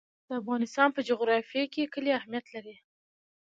د افغانستان په جغرافیه کې کلي اهمیت لري.